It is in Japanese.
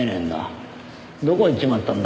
どこ行っちまったんだ？